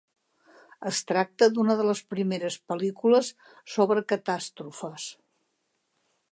Es tracta d'una de les primeres pel·lícules sobre catàstrofes.